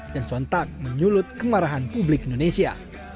dan sontak menyulut kemarahan publik indonesia